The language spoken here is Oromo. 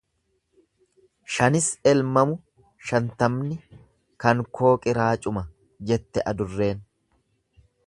Shanis elmamu shantamni kan koo qiraacuma jette adurreen.